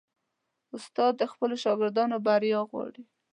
استاد د خپلو شاګردانو بریا غواړي.